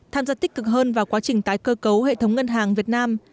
tham gia tích cực hơn vào quá trình tái cơ cấu hệ thống ngân hàng việt nam